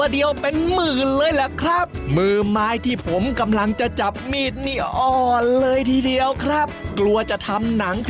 เดี๋ยวผมจะลองเลยละกันนะครับ